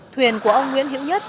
thuyền của ông nguyễn hiễu nhất